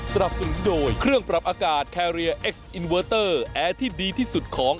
สรรพสูงโดยเครื่องปรับอากาศแอร์ที่ดีที่สุดของ